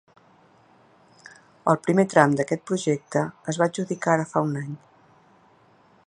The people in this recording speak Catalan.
El primer tram d’aquest projecte, es va adjudicar ara fa un any.